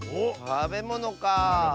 たべものか。